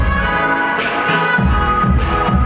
ไม่ต้องถามไม่ต้องถาม